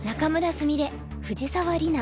菫藤沢里菜